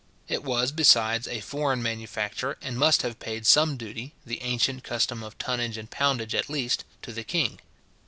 It was, besides, a foreign manufacture, and must have paid some duty, the ancient custom of tonnage and poundage at least, to the king.